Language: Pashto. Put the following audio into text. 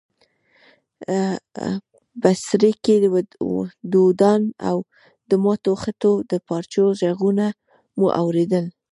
بڅرکي، دودان او د ماتو خښتو د پارچو ږغونه مو اورېدل.